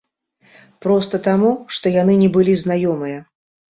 Проста таму, што яны не былі знаёмыя.